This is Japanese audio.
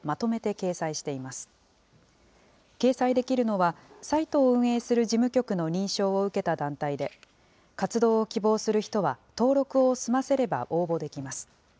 掲載できるのは、サイトを運営する事務局の認証を受けた団体で、活動を希望する人は登録を済ませれば応募できます。